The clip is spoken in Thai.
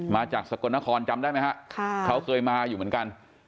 มาจากสกลนครจำได้ไหมฮะเขาเคยมาอยู่เหมือนกัน